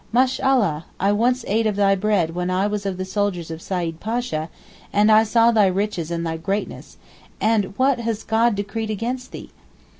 Mashallah, I once ate of thy bread when I was of the soldiers of Said Pasha, and I saw thy riches and thy greatness, and what has God decreed against thee?